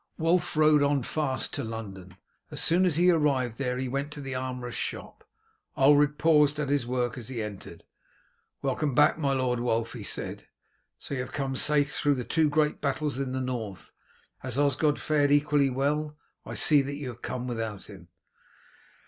Wulf rode on fast to London. As soon as he arrived there he went to the armourer's shop. Ulred paused at his work as he entered. "Welcome back, my lord Wulf!" he said. "So you have come safe through the two great battles in the North. Has Osgod fared equally well, I see that you have come without him?"